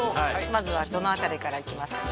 まずはどの辺りからいきますか？